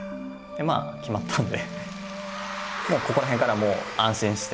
まあ決まったんでもうここら辺からはもう安心して。